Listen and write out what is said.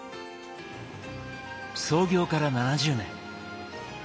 創業から７０年。